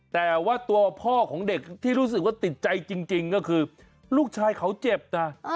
แต่ว่าตัวพ่อของเด็กที่รู้สึกว่าติดใจจริงก็คือลูกชายเขาเจ็บนะ